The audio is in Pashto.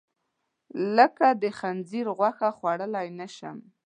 لکه د خنځیر غوښه، خوړلی نه شم.